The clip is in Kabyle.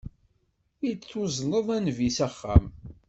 I d-tuzneḍ a Nnbi s axxam.